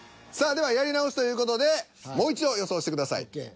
さあではやり直しという事でもう一度予想してください。